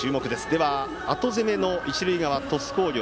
では、後攻めの一塁側の鳥栖工業。